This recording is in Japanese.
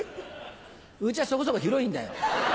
家はそこそこ広いんだよ。